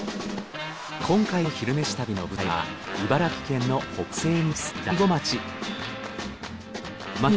今回の「昼めし旅」の舞台は茨城県の北西に位置する大子町。